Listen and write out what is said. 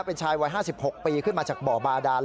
เป็นชายวัย๕๖ปีขึ้นมาจากบ่อบาดาน